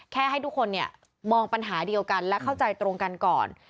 ให้ทุกคนมองปัญหาเดียวกันและเข้าใจตรงกันก่อน